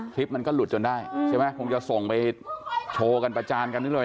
คลิปมันก็หลุดจนได้ใช่ไหมคงจะส่งไปโชว์กันประจานกันเรื่อย